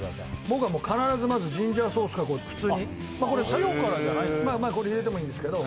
僕は必ずまずジンジャーソースからお塩からじゃないんですね